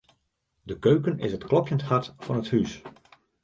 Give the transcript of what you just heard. De keuken is it klopjend hart fan it hús.